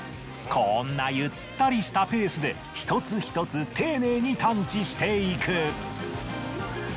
こんなゆったりしたペースで一つ一つ丁寧に探知していく。